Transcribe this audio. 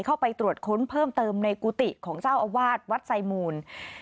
เข้าไปตรวจค้นเพิ่มเติมในกุฏิของเจ้าอาวาสวัดไซมูล